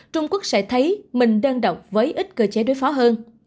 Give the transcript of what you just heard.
trung quốc sẽ thấy mình đơn độc với ít cơ chế đối phó hơn